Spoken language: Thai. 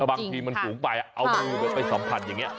บางทีมันสูงไปเอามือไปสัมผัสอย่างนี้